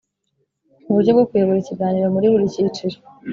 Uburyo bwo kuyobora i kiganiro muri buri cyiciro